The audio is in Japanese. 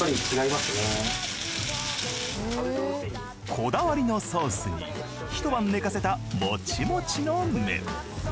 こだわりのソースに一晩寝かせたモチモチの麺。